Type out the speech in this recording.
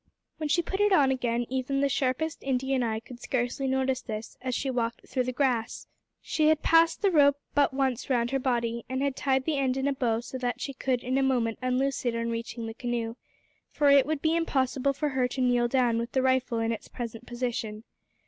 When she put it on again, even the sharpest Indian eye could scarcely notice this as she walked through the grass. She had passed the rope but once round her body, and had tied the end in a bow so that she could in a moment unloose it on reaching the canoe, for it would be impossible for her to kneel down with the rifle in its present position.